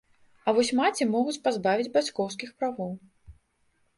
А вось маці могуць пазбавіць бацькоўскіх правоў.